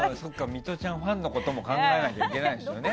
ミトちゃんファンのことも考えないといけないんだね。